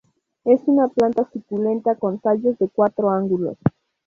Es una planta suculenta con tallos de cuatro ángulos.